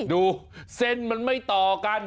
ดูเส้นมันไม่ต่อกัน